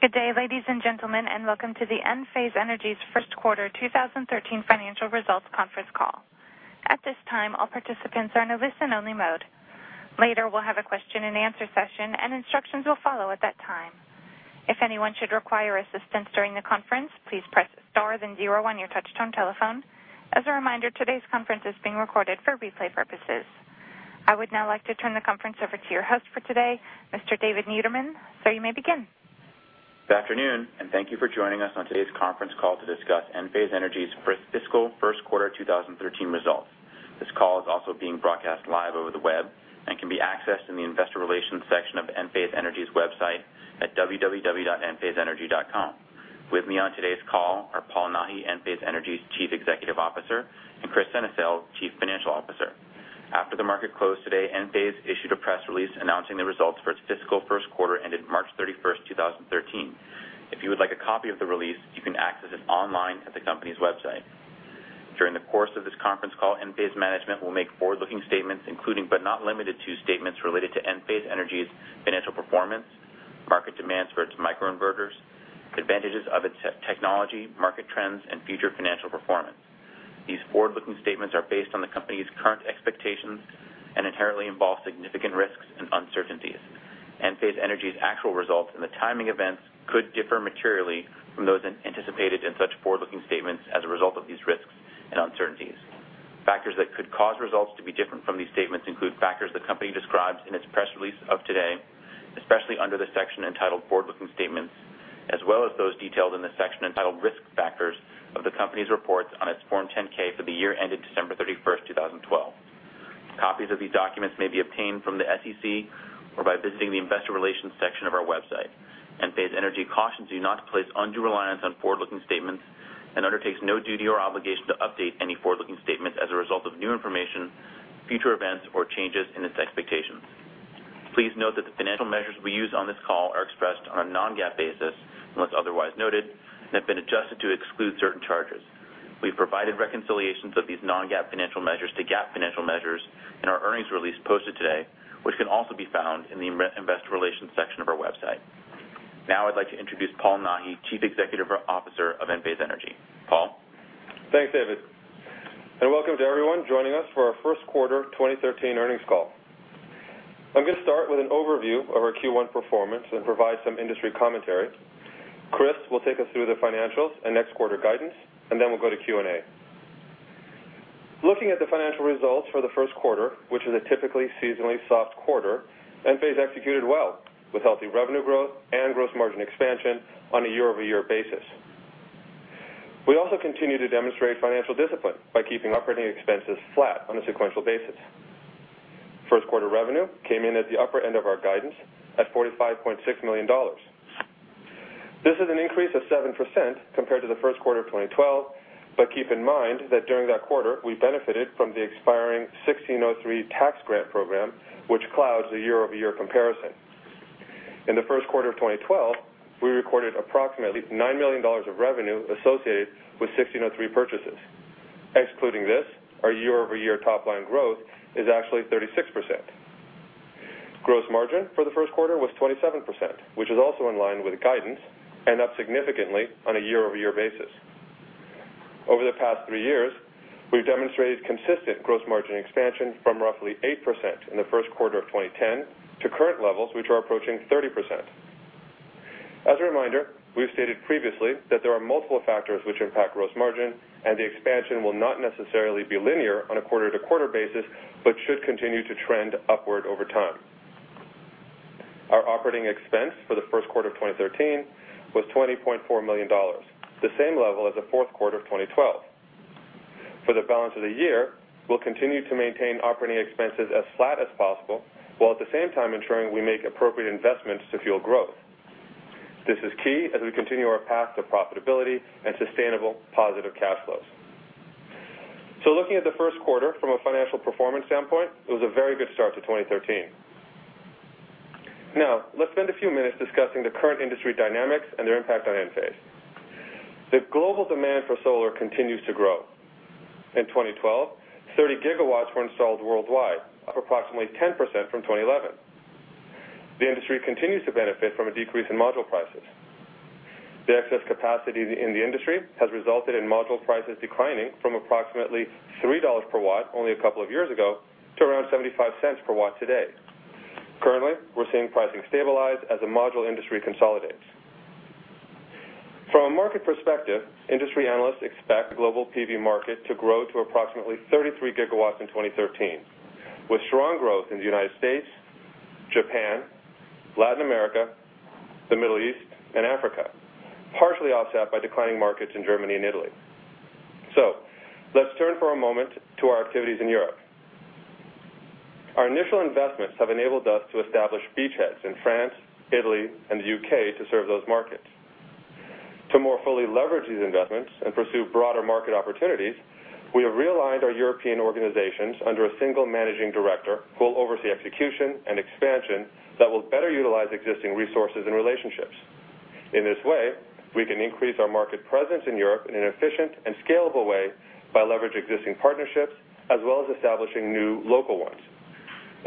Good day, ladies and gentlemen, and welcome to the Enphase Energy's first quarter 2013 financial results conference call. At this time, all participants are in a listen only mode. Later, we'll have a question and answer session, and instructions will follow at that time. If anyone should require assistance during the conference, please press star then zero on your touchtone telephone. As a reminder, today's conference is being recorded for replay purposes. I would now like to turn the conference over to your host for today, Mr. David Niederman. You may begin. Good afternoon, and thank you for joining us on today's conference call to discuss Enphase Energy's fiscal first quarter 2013 results. This call is also being broadcast live over the web and can be accessed in the investor relations section of Enphase Energy's website at www.enphaseenergy.com. With me on today's call are Paul Nahi, Enphase Energy's Chief Executive Officer, and Kris Sennesael, Chief Financial Officer. After the market closed today, Enphase issued a press release announcing the results for its fiscal first quarter ended March 31st, 2013. If you would like a copy of the release, you can access it online at the company's website. During the course of this conference call, Enphase management will make forward-looking statements, including but not limited to statements related to Enphase Energy's financial performance, market demands for its microinverters, advantages of its technology, market trends, and future financial performance. These forward-looking statements are based on the company's current expectations and inherently involve significant risks and uncertainties. Enphase Energy's actual results and the timing events could differ materially from those anticipated in such forward-looking statements as a result of these risks and uncertainties. Factors that could cause results to be different from these statements include factors the company describes in its press release of today, especially under the section entitled Forward Looking Statements, as well as those detailed in the section entitled Risk Factors of the company's reports on its Form 10-K for the year ended December 31st, 2012. Copies of these documents may be obtained from the SEC or by visiting the investor relations section of our website. Enphase Energy cautions you not to place undue reliance on forward-looking statements and undertakes no duty or obligation to update any forward-looking statements as a result of new information, future events, or changes in its expectations. Please note that the financial measures we use on this call are expressed on a non-GAAP basis, unless otherwise noted, and have been adjusted to exclude certain charges. We've provided reconciliations of these non-GAAP financial measures to GAAP financial measures in our earnings release posted today, which can also be found in the investor relations section of our website. Now I'd like to introduce Paul Nahi, Chief Executive Officer of Enphase Energy. Paul. Thanks, David, welcome to everyone joining us for our first quarter 2013 earnings call. I'm going to start with an overview of our Q1 performance and provide some industry commentary. Kris will take us through the financials and next quarter guidance, then we'll go to Q&A. Looking at the financial results for the first quarter, which is a typically seasonally soft quarter, Enphase executed well with healthy revenue growth and gross margin expansion on a year-over-year basis. We also continue to demonstrate financial discipline by keeping operating expenses flat on a sequential basis. First quarter revenue came in at the upper end of our guidance at $45.6 million. This is an increase of 7% compared to the first quarter of 2012, but keep in mind that during that quarter, we benefited from the expiring Section 1603 tax grant program, which clouds the year-over-year comparison. In the first quarter of 2012, we recorded approximately $9 million of revenue associated with Section 1603 purchases. Excluding this, our year-over-year top line growth is actually 36%. Gross margin for the first quarter was 27%, which is also in line with guidance and up significantly on a year-over-year basis. Over the past three years, we've demonstrated consistent gross margin expansion from roughly 8% in the first quarter of 2010 to current levels, which are approaching 30%. As a reminder, we've stated previously that there are multiple factors which impact gross margin, and the expansion will not necessarily be linear on a quarter-to-quarter basis, but should continue to trend upward over time. Our operating expense for the first quarter of 2013 was $20.4 million, the same level as the fourth quarter of 2012. For the balance of the year, we'll continue to maintain operating expenses as flat as possible, while at the same time ensuring we make appropriate investments to fuel growth. This is key as we continue our path to profitability and sustainable positive cash flows. Looking at the first quarter from a financial performance standpoint, it was a very good start to 2013. Now, let's spend a few minutes discussing the current industry dynamics and their impact on Enphase. The global demand for solar continues to grow. In 2012, 30 gigawatts were installed worldwide, up approximately 10% from 2011. The industry continues to benefit from a decrease in module prices. The excess capacity in the industry has resulted in module prices declining from approximately $3 per watt only a couple of years ago to around $0.75 per watt today. Currently, we're seeing pricing stabilize as the module industry consolidates. From a market perspective, industry analysts expect the global PV market to grow to approximately 33 gigawatts in 2013, with strong growth in the U.S., Japan, Latin America, the Middle East, and Africa, partially offset by declining markets in Germany and Italy. Let's turn for a moment to our activities in Europe. Our initial investments have enabled us to establish beachheads in France, Italy, and the U.K. to serve those markets. To more fully leverage these investments and pursue broader market opportunities, we have realigned our European organizations under a single managing director who will oversee execution and expansion that will better utilize existing resources and relationships. In this way, we can increase our market presence in Europe in an efficient and scalable way by leveraging existing partnerships, as well as establishing new local ones.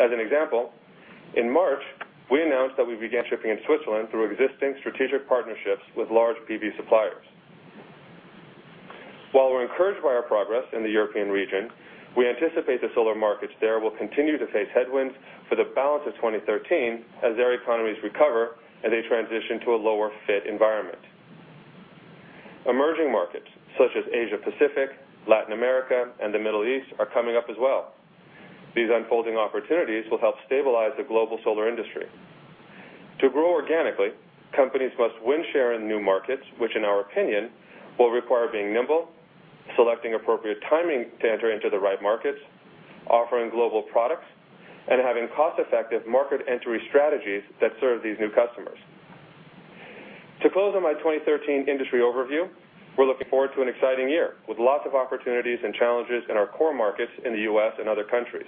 As an example, in March, we announced that we began shipping in Switzerland through existing strategic partnerships with large PV suppliers. While we're encouraged by our progress in the European region, we anticipate the solar markets there will continue to face headwinds for the balance of 2013 as their economies recover and they transition to a lower FIT environment. Emerging markets such as Asia Pacific, Latin America, and the Middle East are coming up as well. These unfolding opportunities will help stabilize the global solar industry. To grow organically, companies must win share in new markets, which in our opinion, will require being nimble, selecting appropriate timing to enter into the right markets, offering global products, and having cost-effective market entry strategies that serve these new customers. To close on my 2013 industry overview, we're looking forward to an exciting year with lots of opportunities and challenges in our core markets in the U.S. and other countries.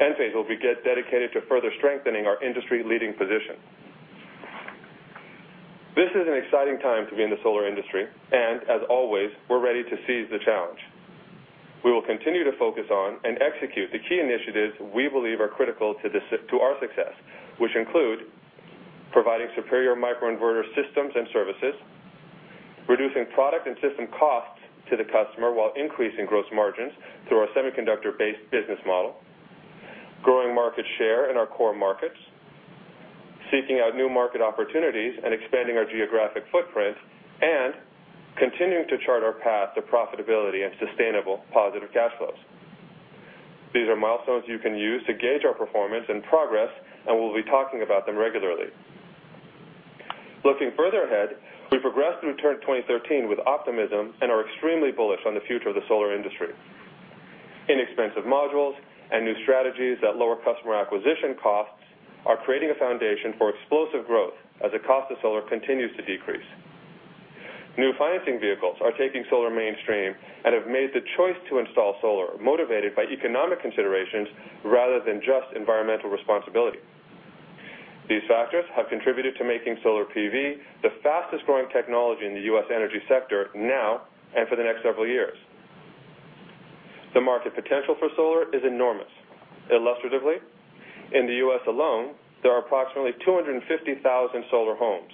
Enphase will be dedicated to further strengthening our industry-leading position. This is an exciting time to be in the solar industry, as always, we're ready to seize the challenge. We will continue to focus on and execute the key initiatives we believe are critical to our success, which include providing superior microinverter systems and services, reducing product and system costs to the customer while increasing gross margins through our semiconductor-based business model, growing market share in our core markets, seeking out new market opportunities and expanding our geographic footprint, and continuing to chart our path to profitability and sustainable positive cash flows. These are milestones you can use to gauge our performance and progress, we'll be talking about them regularly. Looking further ahead, we progress through 2013 with optimism and are extremely bullish on the future of the solar industry. Inexpensive modules and new strategies that lower customer acquisition costs are creating a foundation for explosive growth as the cost of solar continues to decrease. New financing vehicles are taking solar mainstream and have made the choice to install solar motivated by economic considerations rather than just environmental responsibility. These factors have contributed to making solar PV the fastest-growing technology in the U.S. energy sector now and for the next several years. The market potential for solar is enormous. Illustratively, in the U.S. alone, there are approximately 250,000 solar homes.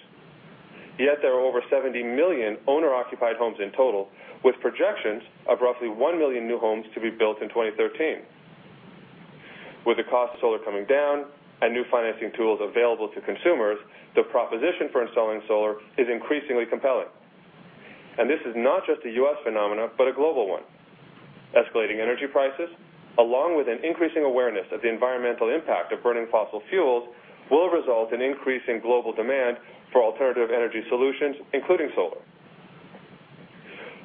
Yet there are over 70 million owner-occupied homes in total, with projections of roughly 1 million new homes to be built in 2013. With the cost of solar coming down and new financing tools available to consumers, the proposition for installing solar is increasingly compelling. This is not just a U.S. phenomenon, but a global one. Escalating energy prices, along with an increasing awareness of the environmental impact of burning fossil fuels, will result in increasing global demand for alternative energy solutions, including solar.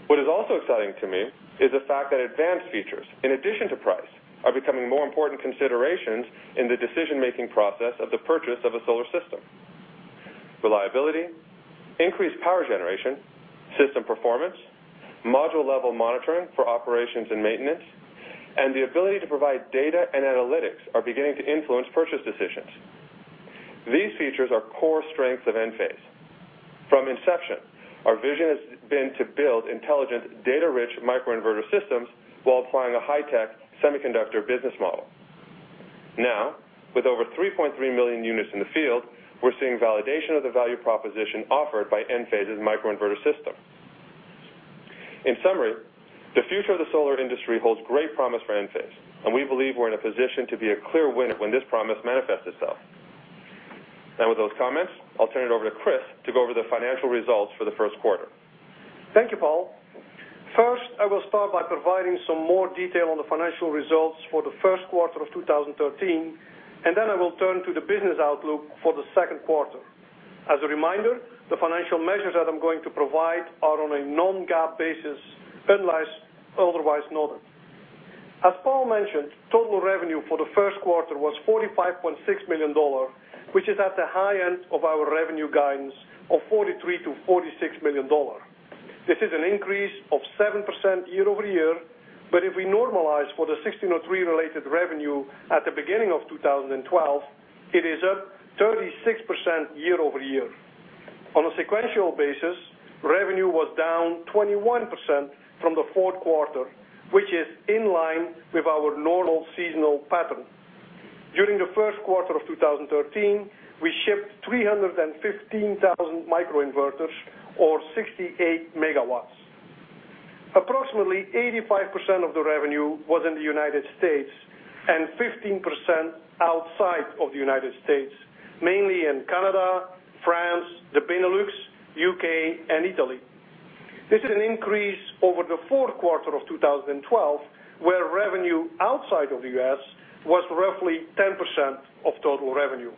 What is also exciting to me is the fact that advanced features, in addition to price, are becoming more important considerations in the decision-making process of the purchase of a solar system. Reliability, increased power generation, system performance, module-level monitoring for operations and maintenance, and the ability to provide data and analytics are beginning to influence purchase decisions. These features are core strengths of Enphase. From inception, our vision has been to build intelligent, data-rich microinverter systems while applying a high-tech semiconductor business model. With over 3.3 million units in the field, we're seeing validation of the value proposition offered by Enphase's microinverter system. In summary, the future of the solar industry holds great promise for Enphase, and we believe we're in a position to be a clear winner when this promise manifests itself. With those comments, I'll turn it over to Kris to go over the financial results for the first quarter. Thank you, Paul. First, I will start by providing some more detail on the financial results for the first quarter of 2013, I will turn to the business outlook for the second quarter. As a reminder, the financial measures that I'm going to provide are on a non-GAAP basis, unless otherwise noted. As Paul mentioned, total revenue for the first quarter was $45.6 million, which is at the high end of our revenue guidance of $43 million-$46 million. This is an increase of 7% year-over-year, if we normalize for the 1603 related revenue at the beginning of 2012, it is up 36% year-over-year. On a sequential basis, revenue was down 21% from the fourth quarter, which is in line with our normal seasonal pattern. During the first quarter of 2013, we shipped 315,000 microinverters or 68 megawatts. Approximately 85% of the revenue was in the U.S. and 15% outside of the U.S., mainly in Canada, France, the Benelux, U.K., and Italy. This is an increase over the fourth quarter of 2012, where revenue outside of the U.S. was roughly 10% of total revenue.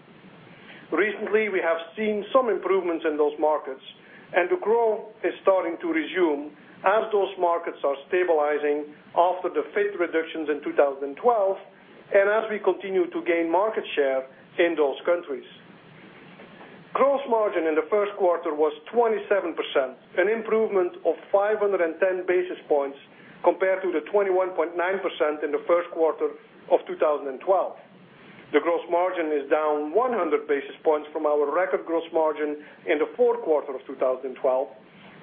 Recently, we have seen some improvements in those markets, the growth is starting to resume as those markets are stabilizing after the FIT reductions in 2012 and as we continue to gain market share in those countries. Gross margin in the first quarter was 27%, an improvement of 510 basis points compared to the 21.9% in the first quarter of 2012. The gross margin is down 100 basis points from our record gross margin in the fourth quarter of 2012.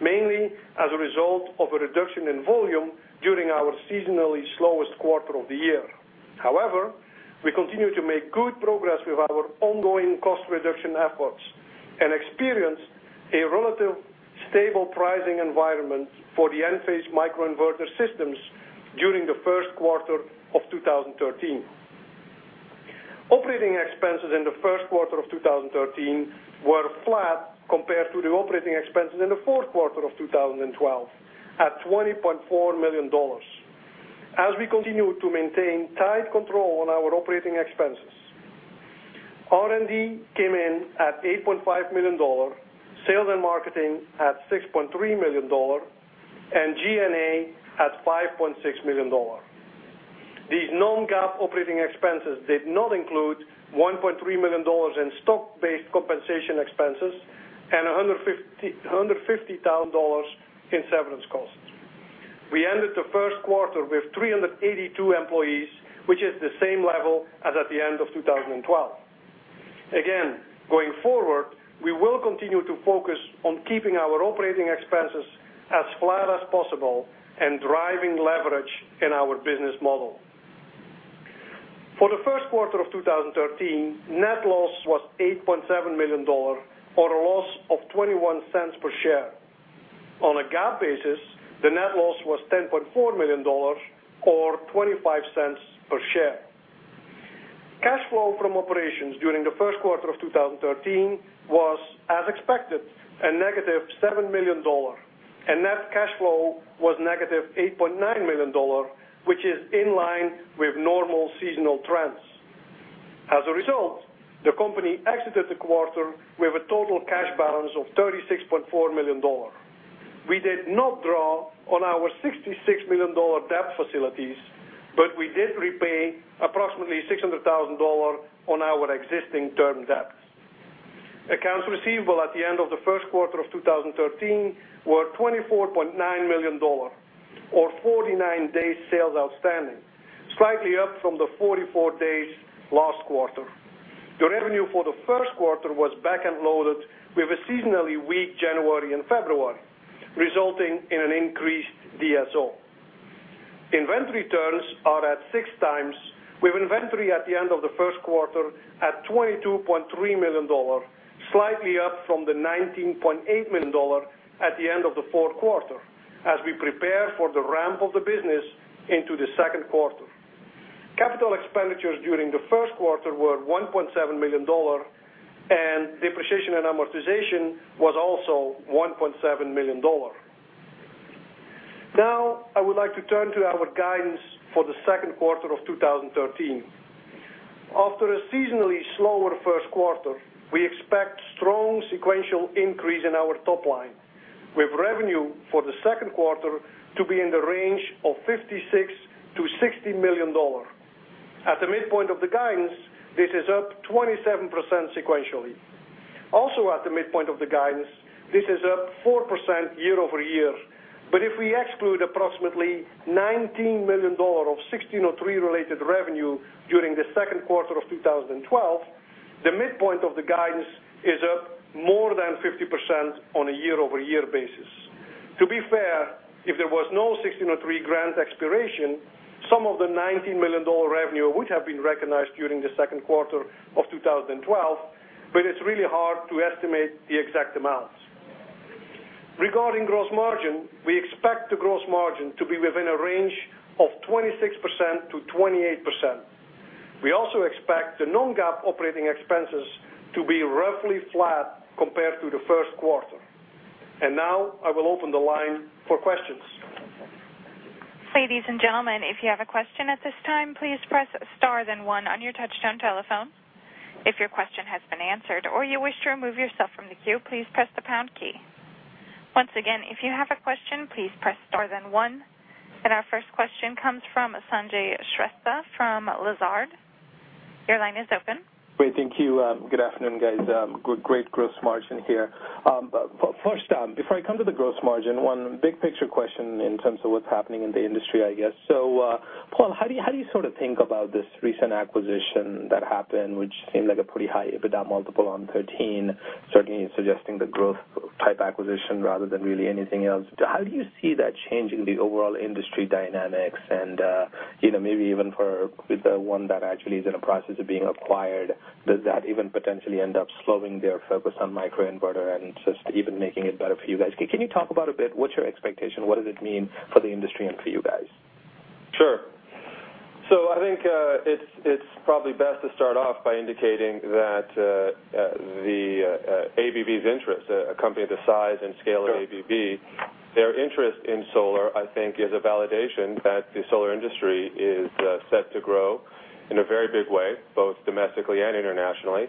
Mainly as a result of a reduction in volume during our seasonally slowest quarter of the year. However, we continue to make good progress with our ongoing cost reduction efforts and experienced a relatively stable pricing environment for the Enphase microinverter systems during the first quarter of 2013. Operating expenses in the first quarter of 2013 were flat compared to the operating expenses in the fourth quarter of 2012, at $20.4 million, as we continue to maintain tight control on our operating expenses. R&D came in at $8.5 million, sales and marketing at $6.3 million, and G&A at $5.6 million. These non-GAAP operating expenses did not include $1.3 million in stock-based compensation expenses and $150,000 in severance costs. We ended the first quarter with 382 employees, which is the same level as at the end of 2012. Again, going forward, we will continue to focus on keeping our operating expenses as flat as possible and driving leverage in our business model. For the first quarter of 2013, net loss was $8.7 million, or a loss of $0.21 per share. On a GAAP basis, the net loss was $10.4 million or $0.25 per share. Cash flow from operations during the first quarter of 2013 was, as expected, a negative $7 million, and net cash flow was negative $8.9 million, which is in line with normal seasonal trends. As a result, the company exited the quarter with a total cash balance of $36.4 million. We did not draw on our $66 million debt facilities, but we did repay approximately $600,000 on our existing term debts. Accounts receivable at the end of the first quarter of 2013 were $24.9 million or 49 days sales outstanding, slightly up from the 44 days last quarter. The revenue for the first quarter was back-end loaded with a seasonally weak January and February, resulting in an increased DSO. Inventory turns are at six times, with inventory at the end of the first quarter at $22.3 million, slightly up from the $19.8 million at the end of the fourth quarter, as we prepare for the ramp of the business into the second quarter. Capital expenditures during the first quarter were $1.7 million, and depreciation and amortization was also $1.7 million. Now, I would like to turn to our guidance for the second quarter of 2013. After a seasonally slower first quarter, we expect strong sequential increase in our top line, with revenue for the second quarter to be in the range of $56 million-$60 million. At the midpoint of the guidance, this is up 27% sequentially. Also, at the midpoint of the guidance, this is up 4% year-over-year. If we exclude approximately $19 million of 1603 related revenue during the second quarter of 2012, the midpoint of the guidance is up more than 50% on a year-over-year basis. To be fair, if there was no 1603 grant expiration, some of the $19 million revenue would have been recognized during the second quarter of 2012, but it's really hard to estimate the exact amounts. Regarding gross margin, we expect the gross margin to be within a range of 26%-28%. We also expect the non-GAAP operating expenses to be roughly flat compared to the first quarter. Now, I will open the line for questions. Ladies and gentlemen, if you have a question at this time, please press star then one on your touchtone telephone. If your question has been answered or you wish to remove yourself from the queue, please press the pound key. Once again, if you have a question, please press star then one. Our first question comes from Sanjay Shrestha from Lazard. Your line is open. Great. Thank you. Good afternoon, guys. Great gross margin here. First, before I come to the gross margin, one big picture question in terms of what's happening in the industry, I guess. Paul, how do you think about this recent acquisition that happened, which seemed like a pretty high EBITDA multiple on 13, certainly suggesting the growth-type acquisition rather than really anything else? How do you see that changing the overall industry dynamics and, maybe even for the one that actually is in the process of being acquired, does that even potentially end up slowing their focus on microinverter and just even making it better for you guys? Can you talk about a bit, what's your expectation? What does it mean for the industry and for you guys? Sure. I think it's probably best to start off by indicating that ABB's interest, a company the size and scale of ABB, their interest in solar, I think, is a validation that the solar industry is set to grow in a very big way, both domestically and internationally.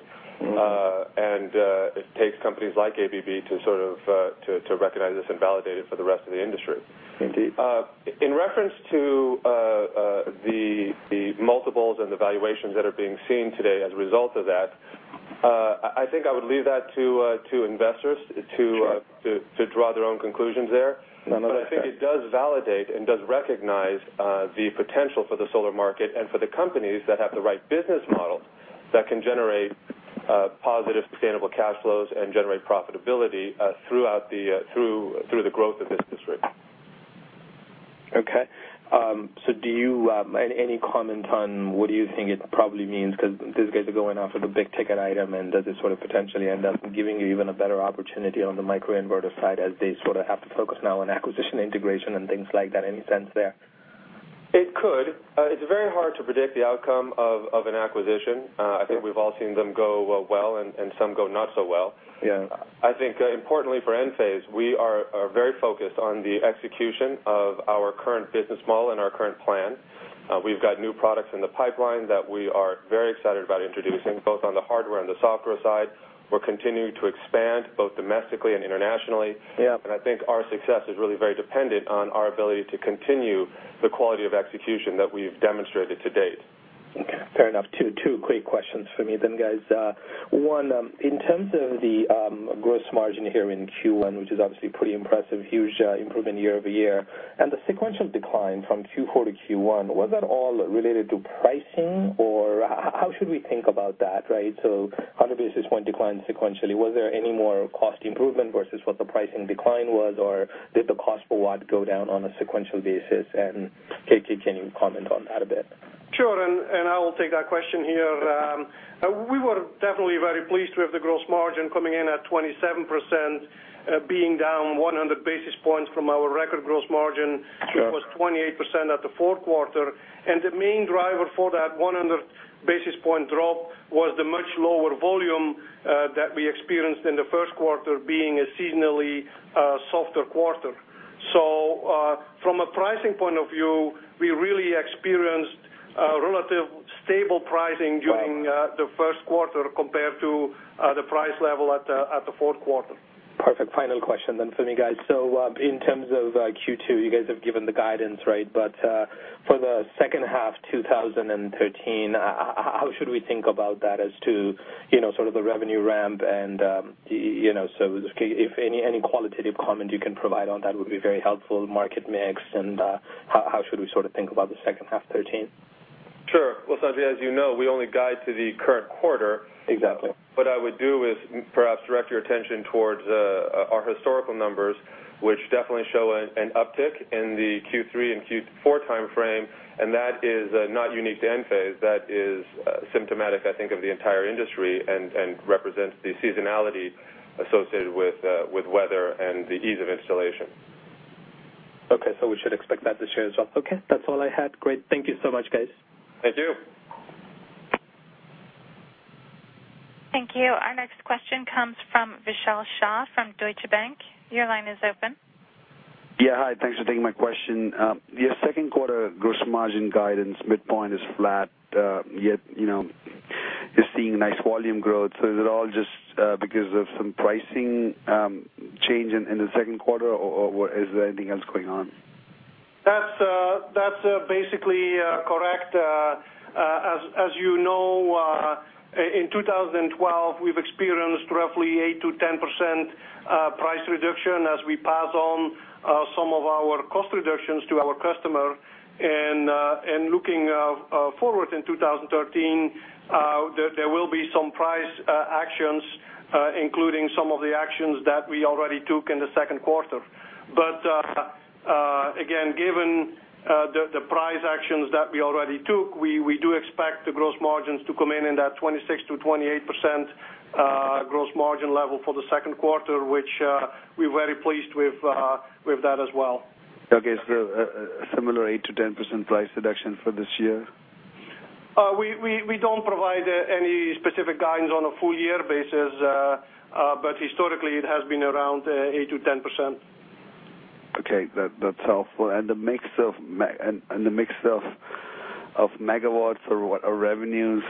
It takes companies like ABB to recognize this and validate it for the rest of the industry. Indeed. In reference to the multiples and the valuations that are being seen today as a result of that, I think I would leave that to investors to Sure to draw their own conclusions there. No, no, that's fair. I think it does validate and does recognize the potential for the solar market and for the companies that have the right business model That can generate positive sustainable cash flows and generate profitability through the growth of this industry. Okay. Any comment on what you think it probably means because these guys are going after the big-ticket item, and does this potentially end up giving you even a better opportunity on the microinverter side as they have to focus now on acquisition integration and things like that? Any sense there? It could. It's very hard to predict the outcome of an acquisition. I think we've all seen them go well, and some go not so well. Yeah. I think importantly for Enphase, we are very focused on the execution of our current business model and our current plan. We've got new products in the pipeline that we are very excited about introducing, both on the hardware and the software side. We're continuing to expand both domestically and internationally. Yeah. I think our success is really very dependent on our ability to continue the quality of execution that we've demonstrated to date. Okay. Fair enough. Two quick questions for me then, guys. One, in terms of the gross margin here in Q1, which is obviously pretty impressive, huge improvement year-over-year, and the sequential decline from Q4 to Q1, was that all related to pricing, or how should we think about that, right? So 100 basis points decline sequentially. Was there any more cost improvement versus what the pricing decline was, or did the cost per watt go down on a sequential basis? KT, can you comment on that a bit? Sure. I will take that question here. We were definitely very pleased with the gross margin coming in at 27%, being down 100 basis points from our record gross margin. Sure which was 28% at the fourth quarter. The main driver for that 100 basis points drop was the much lower volume that we experienced in the first quarter being a seasonally softer quarter. From a pricing point of view, we really experienced relative stable pricing during the first quarter compared to the price level at the fourth quarter. Perfect. Final question then for me, guys. In terms of Q2, you guys have given the guidance, right? For the second half 2013, how should we think about that as to the revenue ramp if any qualitative comment you can provide on that would be very helpful, market mix and how should we think about the second half 2013? Sure. Well, Sanjay, as you know, we only guide to the current quarter. Exactly. What I would do is perhaps direct your attention towards our historical numbers, which definitely show an uptick in the Q3 and Q4 timeframe, and that is not unique to Enphase. That is symptomatic, I think, of the entire industry and represents the seasonality associated with weather and the ease of installation. Okay. We should expect that this year as well. Okay. That's all I had. Great. Thank you so much, guys. Thank you. Thank you. Our next question comes from Vishal Shah from Deutsche Bank. Your line is open. Yeah. Hi. Thanks for taking my question. Your second quarter gross margin guidance midpoint is flat, yet you're seeing nice volume growth. Is it all just because of some pricing change in the second quarter, or is there anything else going on? That's basically correct. As you know, in 2012, we've experienced roughly 8%-10% price reduction as we pass on some of our cost reductions to our customer. Looking forward in 2013, there will be some price actions, including some of the actions that we already took in the second quarter. Again, given the price actions that we already took, we do expect the gross margins to come in in that 26%-28% gross margin level for the second quarter, which we're very pleased with that as well. Okay. A similar 8%-10% price reduction for this year? We don't provide any specific guidance on a full year basis. Historically, it has been around 8%-10%. Okay. That's helpful. The mix of megawatts or revenues,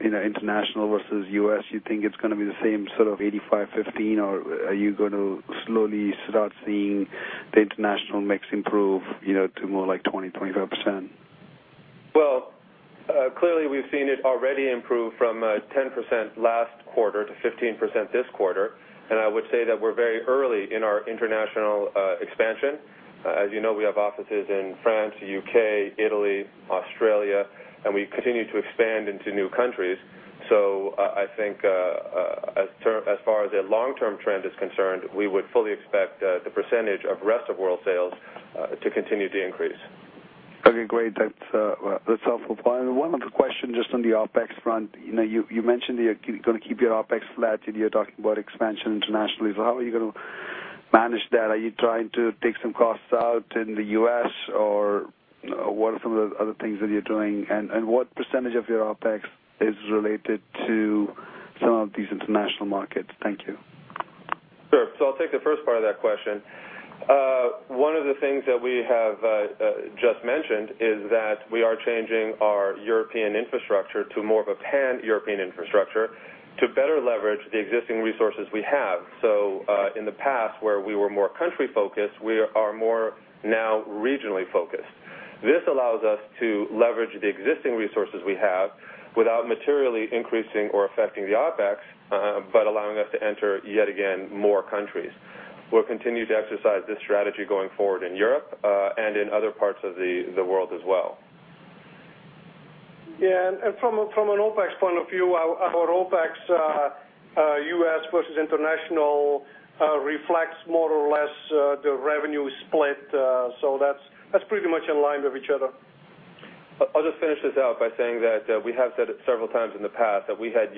international versus U.S., you think it's going to be the same sort of 85/15, or are you going to slowly start seeing the international mix improve to more like 20%-25%? Well, clearly, we've seen it already improve from 10% last quarter to 15% this quarter. I would say that we're very early in our international expansion. As you know, we have offices in France, U.K., Italy, Australia, and we continue to expand into new countries. I think as far as the long-term trend is concerned, we would fully expect the percentage of rest-of-world sales to continue to increase. Okay, great. That's helpful. One other question just on the OPEX front. You mentioned you're going to keep your OPEX flat, and you're talking about expansion internationally. How are you going to manage that? Are you trying to take some costs out in the U.S., or what are some of the other things that you're doing? What percentage of your OPEX is related to some of these international markets? Thank you. Sure. I'll take the first part of that question. One of the things that we have just mentioned is that we are changing our European infrastructure to more of a Pan-European infrastructure to better leverage the existing resources we have. In the past, where we were more country-focused, we are more now regionally focused. This allows us to leverage the existing resources we have without materially increasing or affecting the OPEX, but allowing us to enter yet again more countries. We'll continue to exercise this strategy going forward in Europe, and in other parts of the world as well. Yeah. From an OPEX point of view, our OPEX, U.S. versus international, reflects more or less the revenue split. That's pretty much in line with each other. I'll just finish this out by saying that we have said it several times in the past, that we had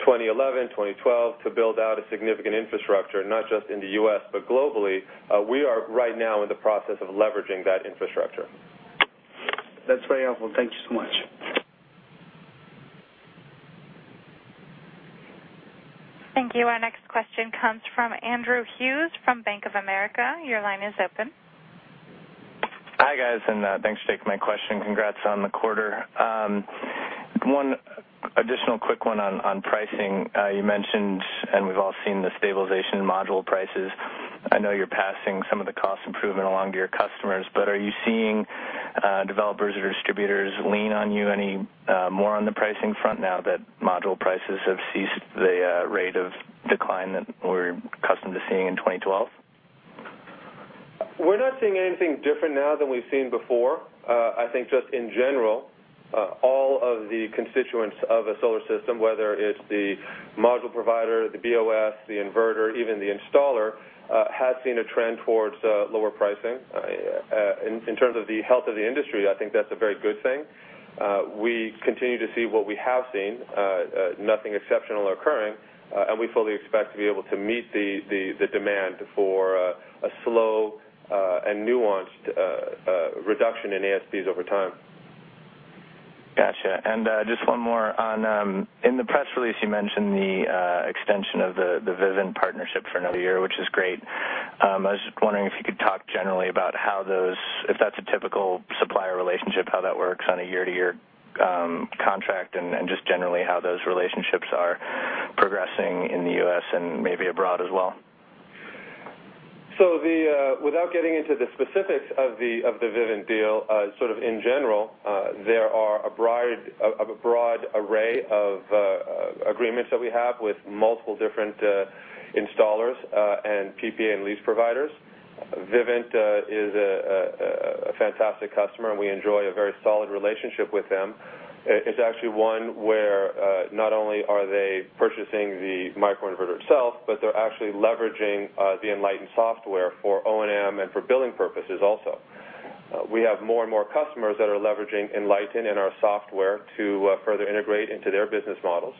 used 2011, 2012 to build out a significant infrastructure, not just in the U.S., but globally. We are right now in the process of leveraging that infrastructure. That's very helpful. Thank you so much. Thank you. Our next question comes from Andrew Hughes from Bank of America. Your line is open. Hi, guys, thanks for taking my question. Congrats on the quarter. One additional quick one on pricing. You mentioned, we've all seen the stabilization in module prices. I know you're passing some of the cost improvement along to your customers, are you seeing developers or distributors lean on you any more on the pricing front now that module prices have ceased the rate of decline that we're accustomed to seeing in 2012? We're not seeing anything different now than we've seen before. I think just in general, all of the constituents of a solar system, whether it's the module provider, the BOS, the inverter, even the installer, has seen a trend towards lower pricing. In terms of the health of the industry, I think that's a very good thing. We continue to see what we have seen, nothing exceptional occurring, we fully expect to be able to meet the demand for a slow and nuanced reduction in ASPs over time. Got you. Just one more. In the press release, you mentioned the extension of the Vivint partnership for another year, which is great. I was just wondering if you could talk generally about if that's a typical supplier relationship, how that works on a year-to-year contract, and just generally how those relationships are progressing in the U.S. and maybe abroad as well. Without getting into the specifics of the Vivint deal, in general, there are a broad array of agreements that we have with multiple different installers and PPA and lease providers. Vivint is a fantastic customer, and we enjoy a very solid relationship with them. It's actually one where not only are they purchasing the microinverter itself, but they're actually leveraging the Enlighten software for O&M and for billing purposes also. We have more and more customers that are leveraging Enlighten and our software to further integrate into their business models,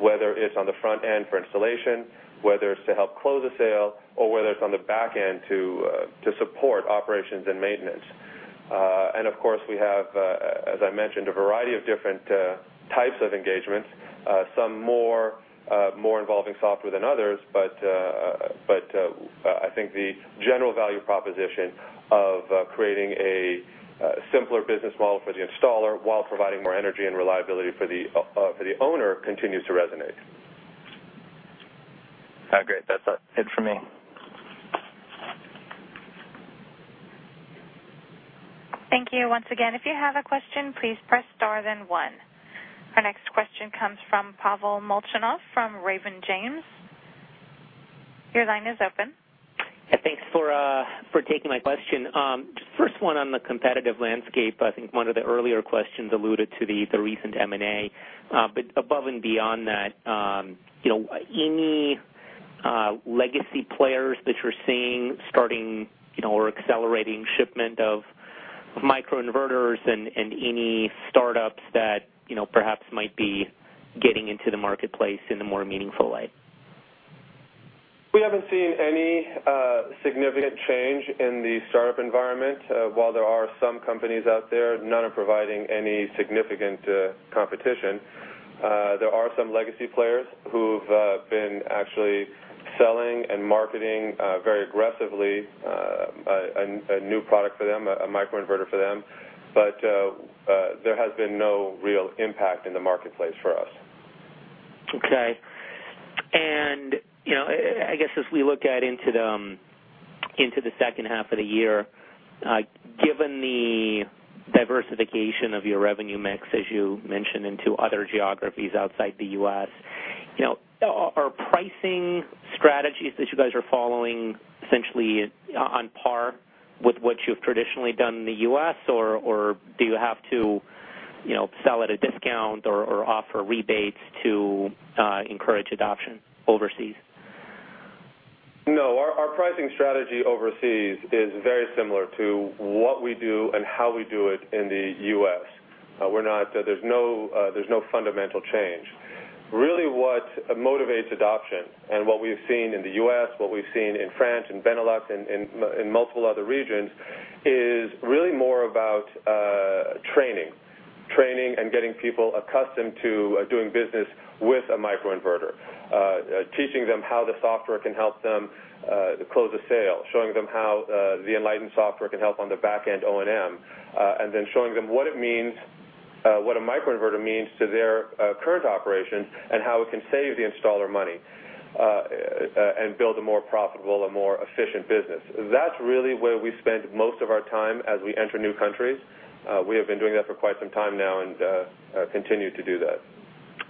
whether it's on the front end for installation, whether it's to help close a sale, or whether it's on the back end to support operations and maintenance. Of course, we have, as I mentioned, a variety of different types of engagements, some more involving software than others, but I think the general value proposition of creating a simpler business model for the installer while providing more energy and reliability for the owner continues to resonate. Great. That's it for me. Thank you. Once again, if you have a question, please press star then one. Our next question comes from Pavel Molchanov from Raymond James. Your line is open. Yeah, thanks for taking my question. Just first one on the competitive landscape. I think one of the earlier questions alluded to the recent M&A. Above and beyond that, any legacy players that you're seeing starting or accelerating shipment of microinverters and any startups that perhaps might be getting into the marketplace in a more meaningful way? We haven't seen any significant change in the startup environment. While there are some companies out there, none are providing any significant competition. There are some legacy players who've been actually selling and marketing very aggressively a new product for them, a microinverter for them. There has been no real impact in the marketplace for us. Okay. I guess as we look out into the second half of the year, given the diversification of your revenue mix, as you mentioned, into other geographies outside the U.S., are pricing strategies that you guys are following essentially on par with what you've traditionally done in the U.S., or do you have to sell at a discount or offer rebates to encourage adoption overseas? No, our pricing strategy overseas is very similar to what we do and how we do it in the U.S. There's no fundamental change. Really what motivates adoption and what we've seen in the U.S., what we've seen in France, in Benelux, in multiple other regions, is really more about training. Training and getting people accustomed to doing business with a microinverter. Teaching them how the software can help them close a sale, showing them how the Enlighten software can help on the back end O&M, and then showing them what a microinverter means to their current operations and how it can save the installer money and build a more profitable and more efficient business. That's really where we spend most of our time as we enter new countries. We have been doing that for quite some time now and continue to do that.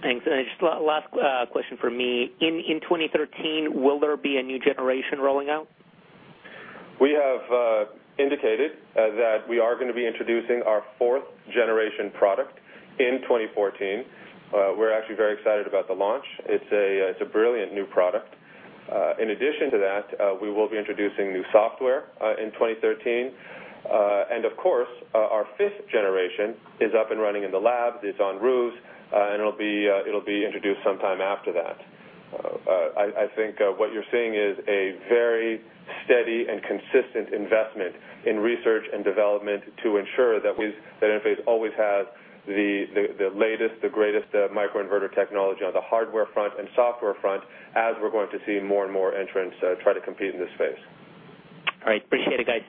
Thanks. Just last question from me. In 2013, will there be a new generation rolling out? We have indicated that we are going to be introducing our fourth-generation product in 2014. We're actually very excited about the launch. It's a brilliant new product. In addition to that, we will be introducing new software in 2013. Of course, our fifth-generation is up and running in the lab, is on roofs, and it'll be introduced sometime after that. I think what you're seeing is a very steady and consistent investment in research and development to ensure that Enphase always has the latest, the greatest microinverter technology on the hardware front and software front, as we're going to see more and more entrants try to compete in this space. All right. Appreciate it, guys.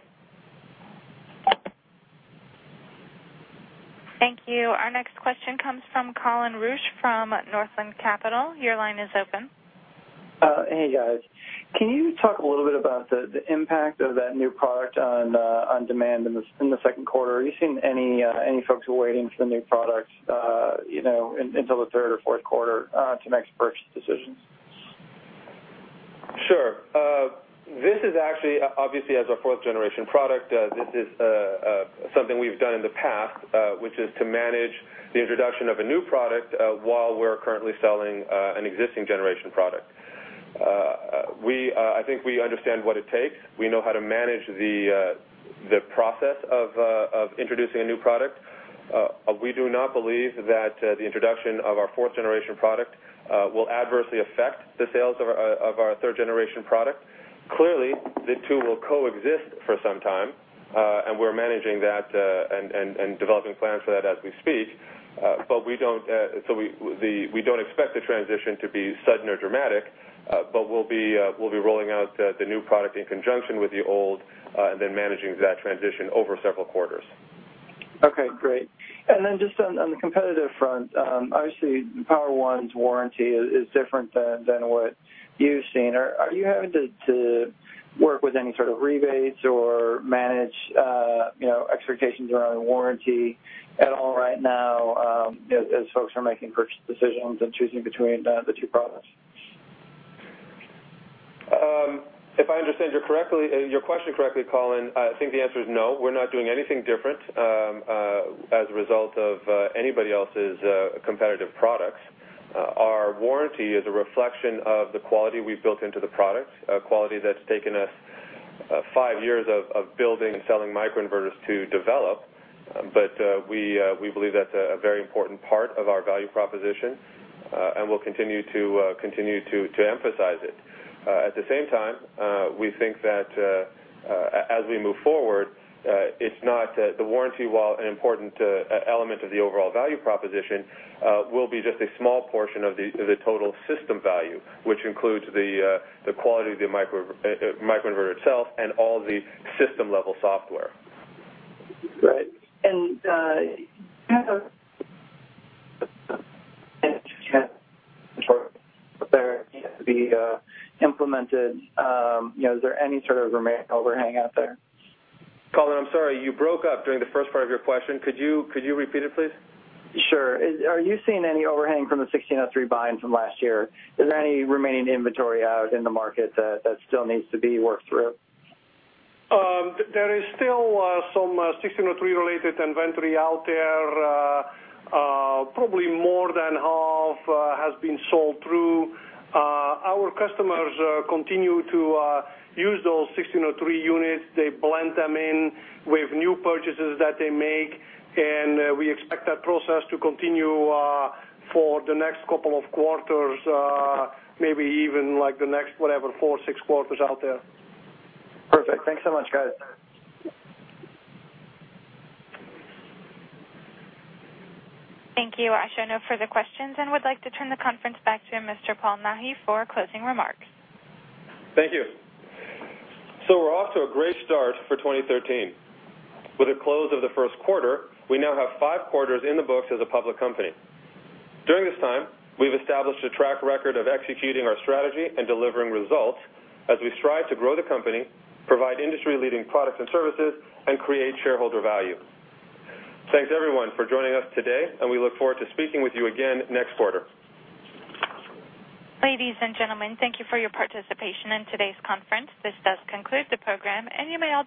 Thank you. Our next question comes from Colin Rusch from Northland Capital. Your line is open. Hey, guys. Can you talk a little bit about the impact of that new product on demand in the second quarter? Are you seeing any folks who are waiting for the new product until the third or fourth quarter to make purchase decisions? Sure. This is actually, obviously, as a 4th-generation product, this is something we've done in the past, which is to manage the introduction of a new product, while we're currently selling an existing generation product. I think we understand what it takes. We know how to manage the process of introducing a new product. We do not believe that the introduction of our 4th-generation product will adversely affect the sales of our 3rd-generation product. Clearly, the two will coexist for some time, and we're managing that, and developing plans for that as we speak. We don't expect the transition to be sudden or dramatic, but we'll be rolling out the new product in conjunction with the old, and then managing that transition over several quarters. Okay, great. Just on the competitive front, obviously Power-One's warranty is different than what you've seen. Are you having to work with any sort of rebates or manage expectations around a warranty at all right now, as folks are making purchase decisions and choosing between the two products? If I understand your question correctly, Colin, I think the answer is no, we're not doing anything different, as a result of anybody else's competitive products. Our warranty is a reflection of the quality we've built into the product, a quality that's taken us five years of building and selling microinverters to develop. We believe that's a very important part of our value proposition, and we'll continue to emphasize it. At the same time, we think that as we move forward, the warranty, while an important element of the overall value proposition, will be just a small portion of the total system value, which includes the quality of the microinverter itself and all the system-level software. Right. To be implemented. Is there any sort of remaining overhang out there? Colin, I'm sorry, you broke up during the first part of your question. Could you repeat it, please? Sure. Are you seeing any overhang from the 1603 buy-ins from last year? Is there any remaining inventory out in the market that still needs to be worked through? There is still some 1603-related inventory out there. Probably more than half has been sold through. Our customers continue to use those 1603 units. They blend them in with new purchases that they make, and we expect that process to continue for the next couple of quarters, maybe even the next, whatever, four, six quarters out there. Perfect. Thanks so much, guys. Thank you. I show no further questions and would like to turn the conference back to Mr. Paul Nahi for closing remarks. Thank you. We're off to a great start for 2013. With the close of the first quarter, we now have five quarters in the books as a public company. During this time, we've established a track record of executing our strategy and delivering results as we strive to grow the company, provide industry-leading products and services, and create shareholder value. Thanks, everyone, for joining us today, and we look forward to speaking with you again next quarter. Ladies and gentlemen, thank you for your participation in today's conference. This does conclude the program, and you may all disconnect.